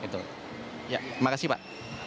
terima kasih pak